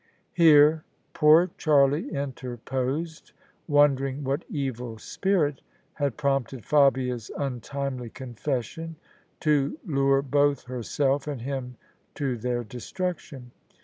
Here poor Charlie interposed, wondering what evil spirit had prompted Fabia's untimely confession, to lure both her self and him to their destruction.